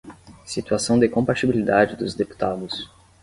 Situação de compatibilidade dos deputados.